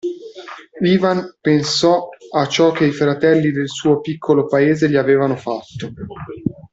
Ivan pensò a ciò che i fratelli del suo piccolo paese gli avevano fatto.